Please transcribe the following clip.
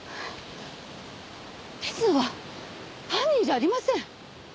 水野は犯人じゃありません！